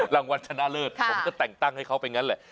รางวัลชนะเลิศผมก็แต่งตั้งให้เขาไปงั้นแหละ